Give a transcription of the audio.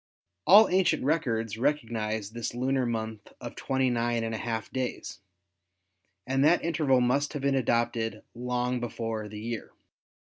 All ancient records recognise this lunar month of twenty nine and a half days, and that interval must have been adopted long before the year.